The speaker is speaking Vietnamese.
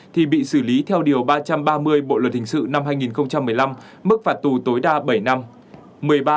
thì bị xử lý theo điều ba trăm ba mươi bộ luật hình sự năm hai nghìn một mươi năm mức phạt tù tối đa bảy năm